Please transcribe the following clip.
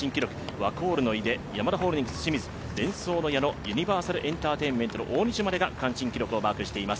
ワコールの井手、ヤマダホールディングスの清水、デンソーの矢野、ユニバーサルエンターテインメントまでが区間新記録をマークしています。